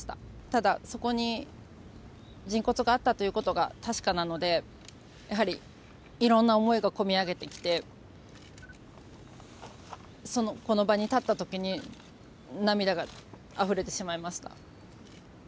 ただ、そこに人骨があったということが確かなので、やはりいろんな思いがこみ上げてきて、この場に立ったときに涙があふれてしまいました。